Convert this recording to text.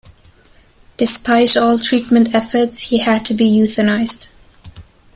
Despite all treatment efforts, he had to be euthanized.